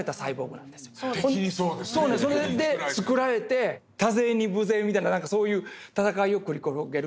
そうそれで造られて多勢に無勢みたいなそういう戦いを繰り広げる。